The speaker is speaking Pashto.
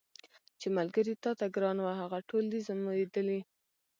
چي ملګري تاته ګران وه هغه ټول دي زمولېدلي